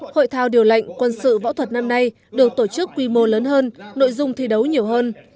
hội thao điều lệnh quân sự võ thuật năm nay được tổ chức quy mô lớn hơn nội dung thi đấu nhiều hơn